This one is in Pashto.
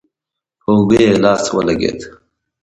پر اوږه يې لاس ولګېد.